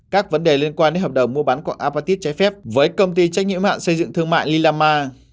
các vấn đề liên quan đến hợp đồng mua bán quà apatit trái phép với công ty trách nhiệm hạn xây dựng thương mại lillama